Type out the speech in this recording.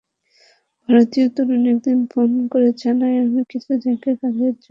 ভারতীয় তরুণ একদিন ফোন করে জানায়, আমি কিছু জায়গায় কাজের জন্য অ্যাপ্লাই করছি।